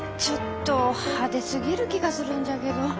ちょっと派手すぎる気がするんじゃけど。